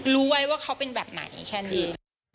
รู้ไว้ว่าเขาเป็นแบบไหนแค่นี้